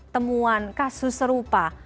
temuan kasus serupa